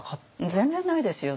全然ないですよ。